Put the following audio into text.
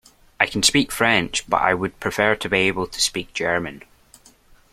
I can speak French, but I would prefer to be able to speak German